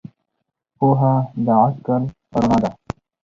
پوهه د عقل رڼا ده.